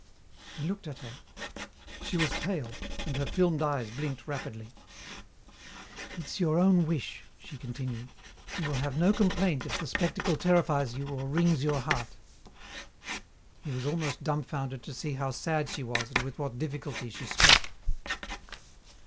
He looked at her. She was pale, and her filmed eyes blinked rapidly. "It's your own wish," she continued. "You will have no complaint if the spectacle terrifies you or wrings your heart." He was almost dumbfounded to see how sad she was and with what difficulty she spoke.